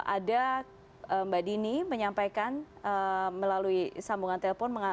ada mbak dini menyampaikan melalui sambungan telepon